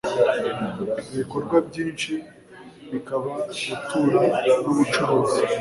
ibikorwa byinshi bikaba gutura n'ubucuruzi.